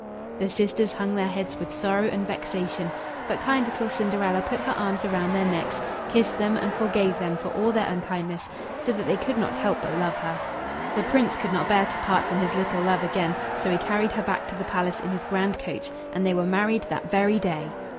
The sisters hung their heads with sorrow and vexation; but kind little Cinderella put her arms round their necks, kissed them, and forgave them for all their unkindness, so that they could not help but love her. The Prince could not bear to part from his little love again, so he carried her back to the palace in his grand coach, and they were married that very day.